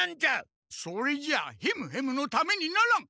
それじゃヘムヘムのためにならん！